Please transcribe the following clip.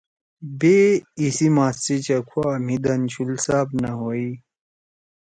بے ایِسی ماس سی چکُھوا مھی دن شُول ساب نہ ہوئی۔